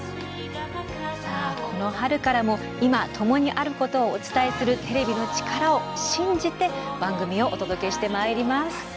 この春からも今、ともにあることをお伝えするテレビの力を信じて番組をお届けしてまいります。